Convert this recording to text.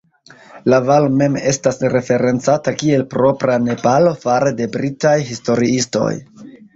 La valo mem estas referencata kiel "Propra Nepalo" fare de britaj historiistoj.